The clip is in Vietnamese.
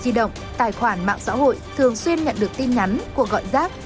đi động tài khoản mạng xã hội thường xuyên nhận được tin nhắn của gọi giác